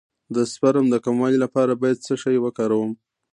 د سپرم د کموالي لپاره باید څه شی وکاروم؟